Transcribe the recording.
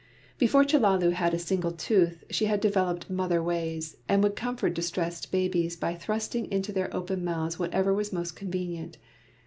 Before Chellalu had a single tooth she had developed mother ways, and would comfort distressed babies by thrusting into their open mouths whatever was most convenient.